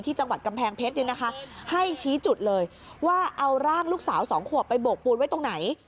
จังหวัดกำแพงเพชรเนี่ยนะคะให้ชี้จุดเลยว่าเอาร่างลูกสาวสองขวบไปโบกปูนไว้ตรงไหน